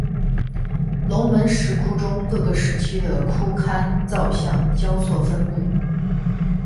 龙门石窟中各个时期的窟龛造像交错分布。